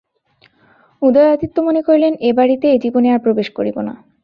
উদয়াদিত্য মনে করিলেন, এ বাড়িতে এ জীবনে আর প্রবেশ করিব না।